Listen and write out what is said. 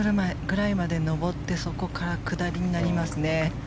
６ｍぐらいまで上ってそこから下りになりますね。